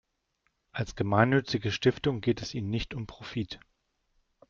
Als gemeinnützige Stiftung geht es ihnen nicht um Profit.